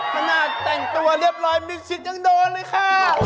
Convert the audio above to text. ขนาดแต่งตัวเรียบร้อยมีสิทธิ์ยังโดนเลยค่ะ